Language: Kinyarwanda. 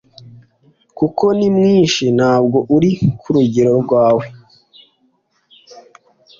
kuko nimwinshi ntabwo uri kurugero rwawe”